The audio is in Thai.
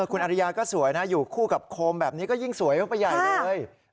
คุณอริยาก็สวยนะอยู่คู่กับโคมแบบนี้ก็ยิ่งสวยเข้าไปใหญ่เลย